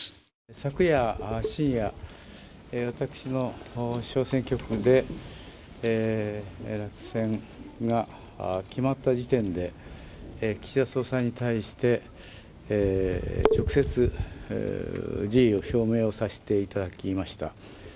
昨夜、深夜、私の小選挙区で落選が決まった時点で、岸田総裁に対して、直接、辞意を表明をさせていただきました。